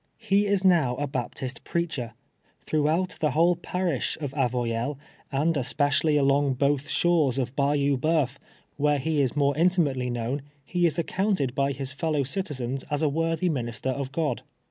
He is now a Baptist prcaclicr. Throiii>;liout the whole parisli of Avoyelles, and csi)ecially alnnp^ both shores' of Bayou Bceuf, where he is more intimately kjmwn, he is accounted l>y his fellow citizens as a M orthy minister of God.